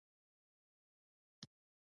له مکې نه د عربو کاروانونه بصرې ته تلل.